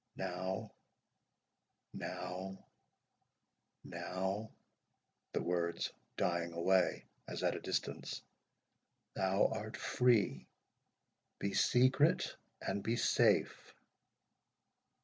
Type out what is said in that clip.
Now—now—now—(the words dying away as at a distance)— thou art free. Be secret and be safe."